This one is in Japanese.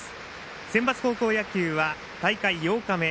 センバツ高校野球は大会８日目。